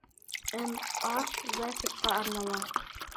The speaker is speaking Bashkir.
М.А. Зайцевҡа арнала